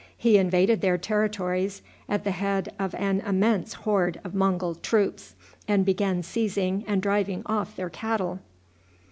He invaded their territories at the head of an immense horde of Mongul troops, and began seizing and driving off their cattle.